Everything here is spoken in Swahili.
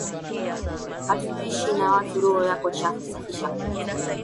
Hutoishi na watu, roho yako chafu, safisha kutu.